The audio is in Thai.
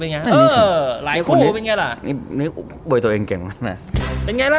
เป็นไงเออหลายคู่เป็นไงล่ะนี่นี่โบยตัวเองเก่งน่ะเป็นไงล่ะ